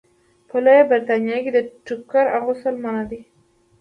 په لویه برېتانیا کې د ټوکر اغوستل منع دي.